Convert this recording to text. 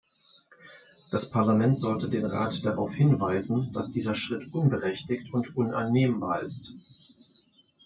Das Parlament sollte den Rat darauf hinweisen, dass dieser Schritt unberechtigt und unannehmbar ist.